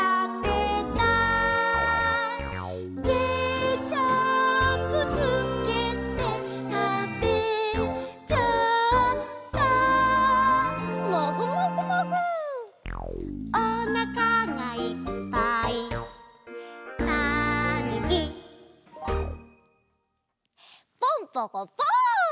「ケチャップつけてたべちゃった」「」「おなかがいっぱいたぬき」ポンポコポン！